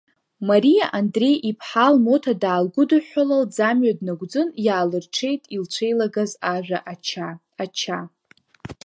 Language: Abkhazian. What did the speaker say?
Мариа Андреи-иԥҳа, лмоҭа даалгәыдыҳәҳәала лӡамҩа днагәӡын, иаалырҽеит илцәеилагаз ажәа ача, ача.